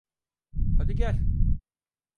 Hadi gel!